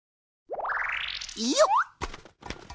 よっ！